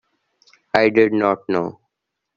I did not know.